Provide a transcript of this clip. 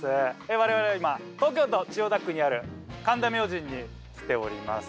我々は今東京都千代田区にある神田明神に来ております